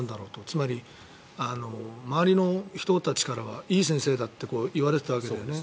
つまり、周りの人たちからはいい先生だって言われていたわけだよね。